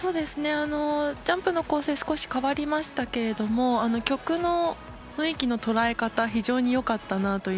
ジャンプの構成が少し変わりましたが曲の雰囲気の捉え方非常に良かったなと。